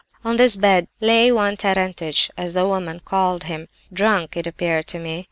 On this bed lay one Terentich, as the woman called him, drunk, it appeared to me.